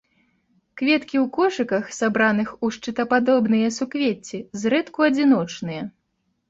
Кветкі ў кошыках, сабраных у шчытападобныя суквецці, зрэдку адзіночныя.